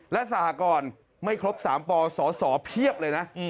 และสหกรไม่ครบ๓ปสสเพียบเลยนะ